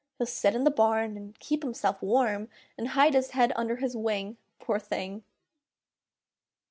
He'll sit in the barn, And keep himself warm, And hide his head under his wing, poor thing!